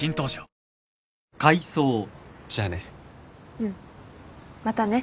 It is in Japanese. うんまたね。